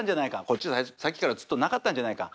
こっちさっきからずっとなかったんじゃないか。